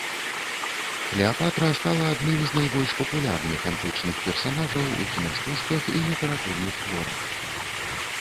Клеапатра стала адным з найбольш папулярных антычных персанажаў у кінастужках і літаратурных творах.